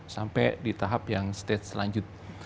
sampai di tahap yang stage selanjut